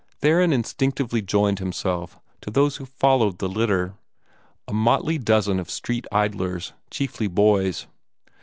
Theron instinctively joined himself to those who followed the litter a motley dozen of street idlers, chiefly boys.